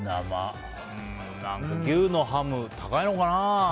何か牛のハム高いのかな。